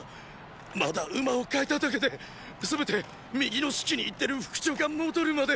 まだ馬を代えただけでせめて右の指揮に行ってる副長が戻るまで！